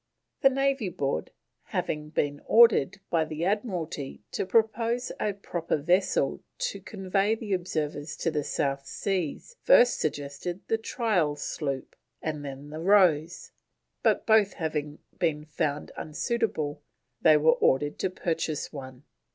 The Navy Board, having been ordered by the Admiralty to propose a proper vessel to convey the observers to the South Seas, first suggested the Tryal Sloop, and then the Rose, but both being found unsuitable they were ordered to purchase one.